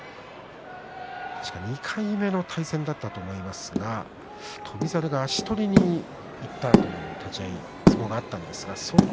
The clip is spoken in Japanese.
確か２回目の対戦だったと思いますが翔猿が足取りにいった立ち合いがありました。